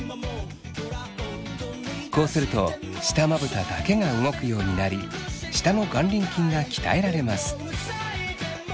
こうすると下まぶただけが動くようになり下の眼輪筋が鍛えられます。